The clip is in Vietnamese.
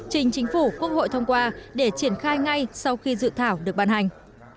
trình chính phủ quốc hội thông qua để triển khai ngay sau khi dự thảo được ban hành